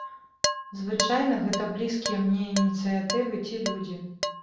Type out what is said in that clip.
Звычайна, гэта блізкія мне ініцыятывы ці людзі.